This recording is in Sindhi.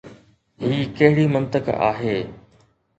هي ڪهڙي منطق آهي؟